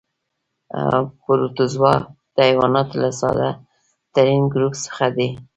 پروتوزوا د حیواناتو له ساده ترین ګروپ څخه دي.